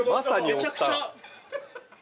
めちゃくちゃ。